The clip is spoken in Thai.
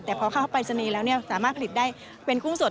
แต่พอเข้าไปสนีแล้วสามารถผลิตได้เป็นกุ้งสด